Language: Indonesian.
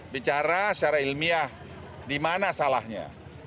bicara secara ilmiah di mana salahnya